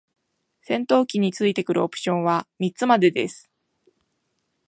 戦闘機に付いてくるオプションは三つまでです。